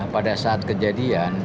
pada saat kejadian